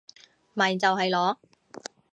咪就係囉